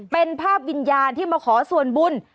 เป็นภาพวิญญาณที่มาขอส่วนบุญ